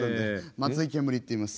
松井ケムリっていいます。